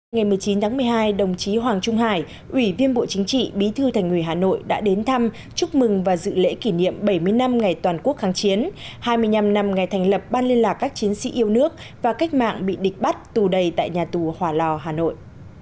ngày một mươi chín tháng một mươi hai đồng chí hoàng trung hải ủy viên bộ chính trị bí thư thành ủy hà nội đã đến thăm chúc mừng và dự lễ kỷ niệm bảy mươi năm ngày toàn quốc kháng chiến hai mươi năm năm ngày thành lập ban liên lạc các chiến sĩ yêu nước và cách mạng bị địch bắt tù đầy tại nhà tù hòa lò hà nội